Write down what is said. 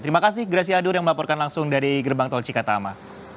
terima kasih grasi adur yang melaporkan langsung dari gerbang tol cikatama